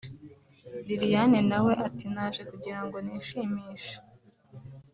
Liliane na we ati “Naje kugira ngo nishimishe